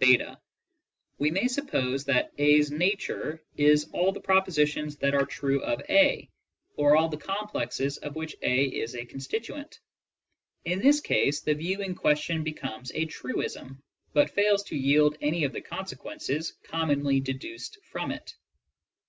{p) We may suppose that a's "nature" is all the propositions that are true of a, or all the complexes of which a is a constituent. In this case, the view in question becomes a truism, but fails to yield any of the consequences commonly deduced from it.